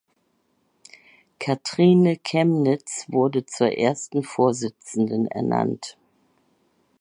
Kathrine Chemnitz wurde zur ersten Vorsitzenden ernannt.